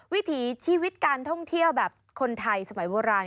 วิถีชีวิตการท่องเที่ยวแบบคนไทยสมัยโบราณ